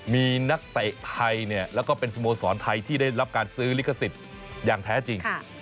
มีนักเตะไทยแล้วก็เป็นสโมสรไทยที่ได้รับการซื้อลิขสิทธิ์อย่างแท้จริง